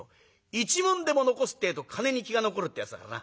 一文でも残すってえと金に気が残るってえやつだからな。